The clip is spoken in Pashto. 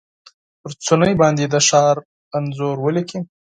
په دسترخوان باندې د ښار انځور ولیکې